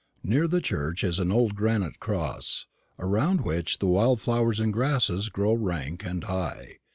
Near the church there is an old granite cross, around which the wild flowers and grasses grow rank and high.